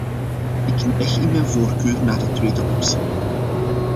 Ik neig in mijn voorkeur naar de tweede optie.